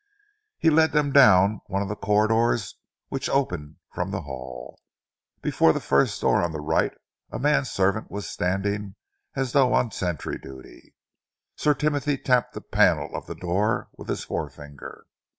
He led them down one of the corridors which opened from the hall. Before the first door on the right a man servant was standing as though on sentry duty. Sir Timothy tapped the panel of the door with his forefinger.